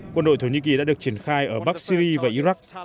quân đội thổ nhĩ kỳ đã được triển khai ở bắc syri và iraq